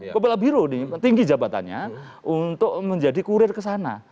kepala biru nih tinggi jabatannya untuk menjadi kurir kesana